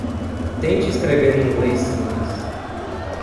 Tente escrever em inglês simples.